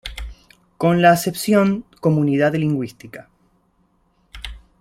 Con la acepción "comunidad lingüística".